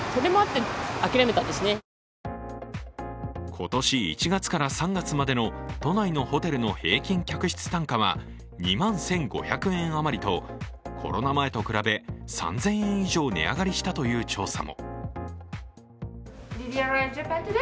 今年１月から３月までの都内のホテルの平均客室単価は２万１５００円余りとコロナ前と比べ３０００円以上値上がりしたという調査も。